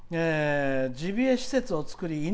「ジビエ施設を作り